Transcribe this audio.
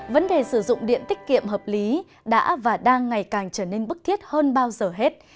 vấn đề sử dụng điện tích kiệm hợp lý đã và đang ngày càng trở nên bức thiết hơn bao giờ hết